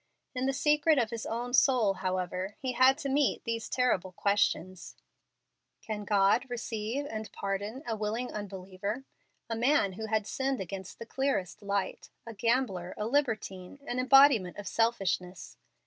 In the secret of his own soul, however, he had to meet these terrible questions: "Can God receive and pardon a willing unbeliever, a man who has sinned against the clearest light, a gambler, a libertine, an embodiment of selfishness?